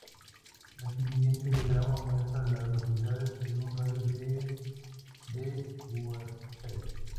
El siguiente diagrama muestra a las localidades en un radio de de Guernsey.